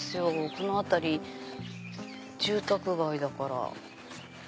この辺り住宅街だから。